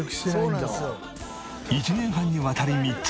１年半にわたり密着。